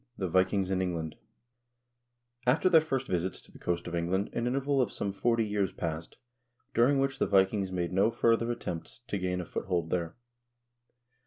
The Vikings in England After their first visits to the coasts of England an interval of some forty years passed, during which the Vikings made no further at tempt to gain a foothold there.